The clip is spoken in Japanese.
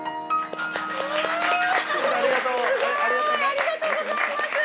ありがとうございます！